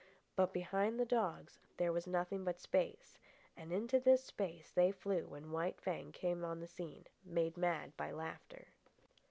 But behind the dogs there was nothing but space, and into this space they flew when White Fang came on the scene, made mad by laughter.